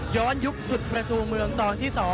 ยุคสุดประตูเมืองตอนที่๒